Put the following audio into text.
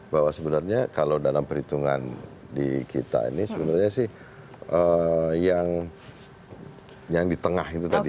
bahwa sebenarnya kalau dalam perhitungan di kita ini sebenarnya sih yang di tengah itu tadi